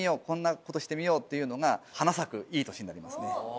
「こんなことしてみよう」っていうのが花咲くいい年になりますね。